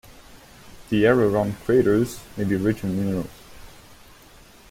The area around craters may be rich in minerals.